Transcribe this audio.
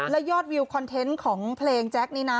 และยอดวิวคอนเทนต์ของเพลงแจ๊คนี้นะ